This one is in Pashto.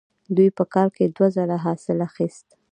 دوی په کال کې دوه ځله حاصل اخیست.